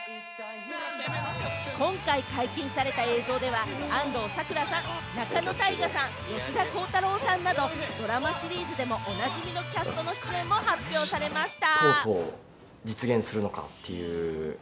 今回解禁された映像では、安藤サクラさん、仲野太賀さん、吉田鋼太郎さんなど、ドラマシリーズでもおなじみのキャストの出演も発表されました。